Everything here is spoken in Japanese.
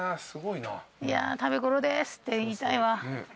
いや食べ頃ですって言いたいわ。